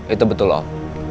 itu betul om